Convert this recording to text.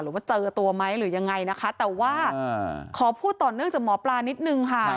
ว่าเจอตัวไหมหรือยังไงนะคะแต่ว่าขอพูดต่อเนื่องจากหมอปลานิดนึงค่ะ